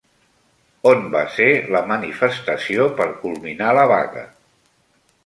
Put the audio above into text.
On va ser la manifestació per culminar la vaga?